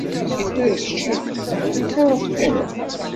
I tura keččini, akka ara teqqimeḍ?